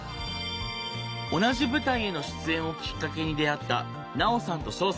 同じ舞台への出演をきっかけに出会ったナオさんとショウさん。